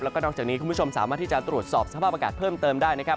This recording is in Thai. แล้วก็นอกจากนี้คุณผู้ชมสามารถที่จะตรวจสอบสภาพอากาศเพิ่มเติมได้นะครับ